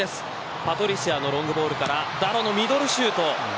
パトリシアのロングボールからダロのミドルシュート。